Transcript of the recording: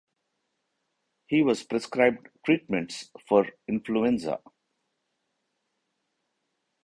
He was prescribed treatments for influenza.